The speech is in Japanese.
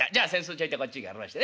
ちょいとこっちへ借りましてね。